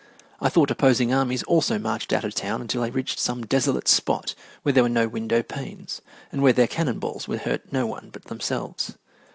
I thought opposing armies also marched out of town until they reached some desolate spot where there were no window panes, and where their cannon balls would hurt no one but themselves.